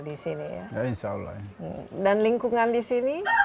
dan lingkungan di sini